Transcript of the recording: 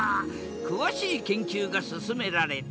詳しい研究が進められた。